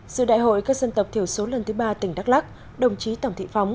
giữa đại hội các dân tộc thiểu số lần thứ ba tỉnh đắk lắc đồng chí tổng thị phóng